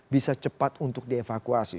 bisa cepat untuk dievakuasi